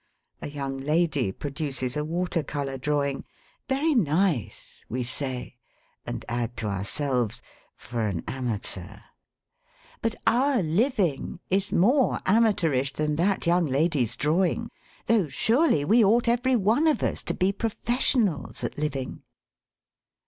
A young lady produces a water colour drawing. 'Very nice!' we say, and add, to ourselves, 'For an amateur.' But our living is more amateurish than that young lady's drawing; though surely we ought every one of us to be professionals at living!